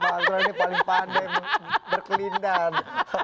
maklumnya ini paling pandai berkelindang